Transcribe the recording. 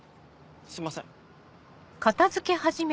すいません。